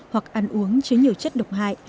hoặc ăn uống chứa nhiều chất độc hại